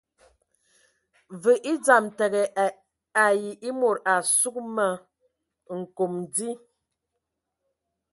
Və e dzam təgə ai e mod a sug ma nkom di.